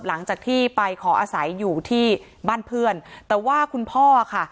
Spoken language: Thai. หลังจากที่ไปขออาศัยอยู่ที่บ้านเพื่อนแต่ว่าคุณพ่อค่ะ